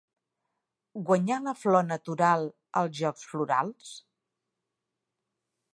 Guanyar la Flor Natural als Jocs Florals?